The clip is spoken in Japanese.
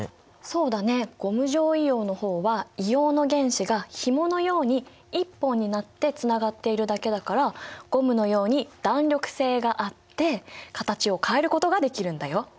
そうだねゴム状硫黄の方は硫黄の原子がひものように１本になってつながっているだけだからゴムのように弾力性があって形を変えることができるんだよ。